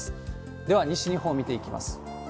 では西日本見ていきます。